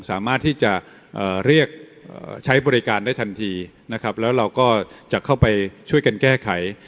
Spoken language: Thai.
สามารถที่จะเรียกใช้บริการได้ทันทีนะครับแล้วเราก็จะเข้าไปช่วยกันแก้ไข